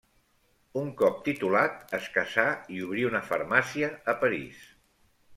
Un cop titulat, es casà i obrí una farmàcia a París.